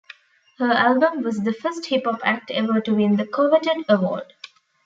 Her album was the first Hip Hop act ever to win the coveted award.